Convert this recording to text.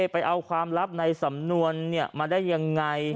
ไปเอาความลับในสำนวนมาได้ยังไง